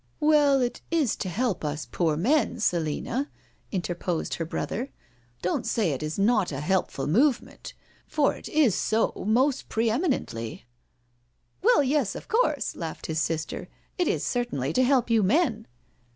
" Well, it is to help us poor men, Selina," inter posed her brother. " Don't say it is not a helpful movement, for it is so most pre eminently." " Oh well, yes, of course," laughed his sister. " It is certainly to help you men."